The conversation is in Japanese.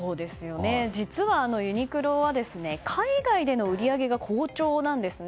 実はユニクロは海外での売り上げが好調なんですね。